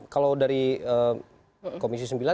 kalau dari komisi sembilan